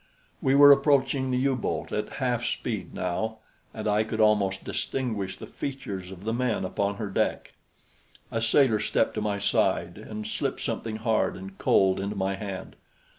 We were approaching the U boat at half speed now, and I could almost distinguish the features of the men upon her deck. A sailor stepped to my side and slipped something hard and cold into my hand.